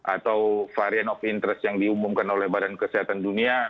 atau variant of interest yang diumumkan oleh badan kesehatan dunia